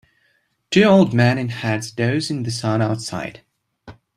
Two old men in hats doze in the sun outside